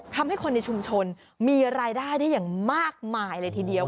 ทำให้คนในชุมชนมีรายได้ได้อย่างมากมายเลยทีเดียว